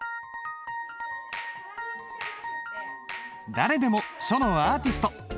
誰でも書のアーティスト！